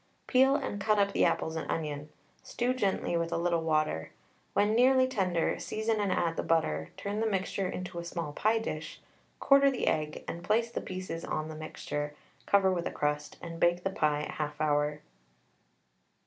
Peel and cut up the apples and onion, stew gently with a little water. When nearly tender, season and add the butter, turn the mixture into a small pie dish, quarter the egg, and place the pieces on the mixture, cover with a crust, and bake the pie 1/2 hour.